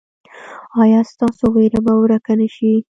ایا ستاسو ویره به ورکه نه شي؟